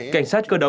cảnh sát cơ động